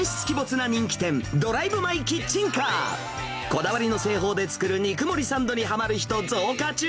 こだわりの製法で作る肉盛りサンドにはまる人、増加中。